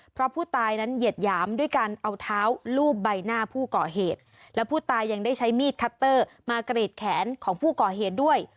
เพราะผู้ตายนั้นเหยียดหยามด้วยการเอาเท้าลูบใบหน้าผู้ก่อเหตุแล้วผู้ตายยังได้ใช้มีดคัตเตอร์มากรีดแขนของผู้ก่อเหตุด้วย